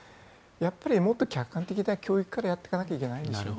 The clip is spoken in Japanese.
もっと客観的な教育からやっていかないといけないんでしょうね。